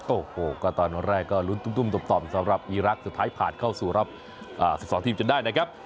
โอ้โหก็ตอนแรกก็ลุ้นตุ้มต่อมสำหรับอีรักษ์สุดท้ายผ่านเข้าสู่รอบ๑๒ทีมจนได้นะครับ